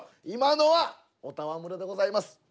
今のはお戯れでございます。